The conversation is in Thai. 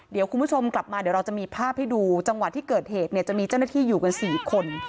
เดี๋ยวคุณผู้ชมกลับมาเดี๋ยวเราจะมีภาพให้ดูจังหวะที่เกิดเหตุเนี่ยจะมีเจ้าหน้าที่อยู่กัน๔คน